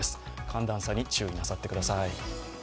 寒暖差に注意なさってください。